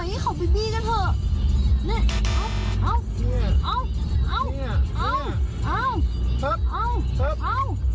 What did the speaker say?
ไหวให้เขาไปบีกันเถอะ